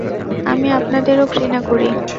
আমি আপনাদেরও ঘৃণা করি।